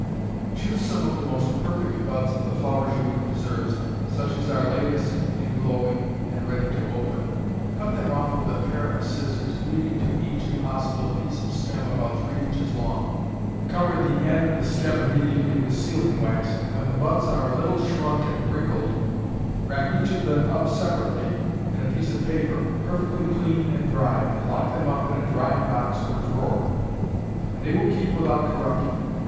_ Choose some of the most perfect buds of the flowers you would preserve, such as are latest in blowing and ready to open; cut them off with a pair of scissors, leaving to each, if possible, a piece of stem about three inches long; cover the end of the stem immediately with sealing wax, and when the buds are a little shrunk and wrinkled, wrap each of them up separately in a piece of paper, perfectly clean and dry, and lock them up in a dry box or drawer; and they will keep without corrupting.